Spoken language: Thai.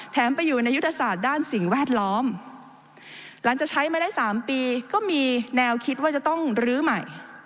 ไปอยู่ในยุทธศาสตร์ด้านสิ่งแวดล้อมหลังจากใช้มาได้๓ปีก็มีแนวคิดว่าจะต้องลื้อใหม่